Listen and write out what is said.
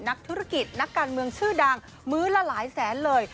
นักธุรกิจนักการเมืองชื่อดังมื้อละหลายแสนเลย